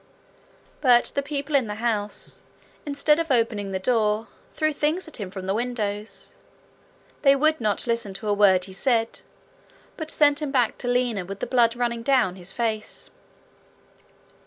But the people in the house, instead of opening the door, threw things at him from the windows. They would not listen to a word he said, but sent him back to Lina with the blood running down his face.